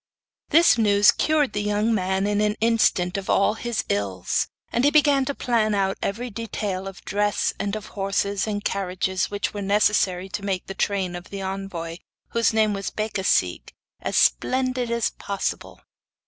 This news cured the young man in an instant of all his ills; and he began to plan out every detail of dress and of horses and carriages which were necessary to make the train of the envoy, whose name was Becasigue, as splendid as possible.